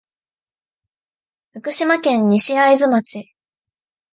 福島県西会津町